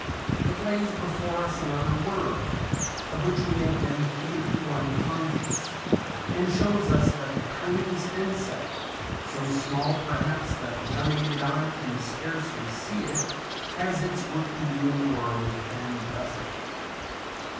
It lays open before us another world, of which we have been hitherto unconscious, and shows us that the tiniest insect, so small perhaps that the unaided eye can scarcely see it, has its work to do in the world, and does it.